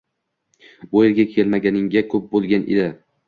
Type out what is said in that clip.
Bu yerga kelmaganiga koʻp boʻlgan edi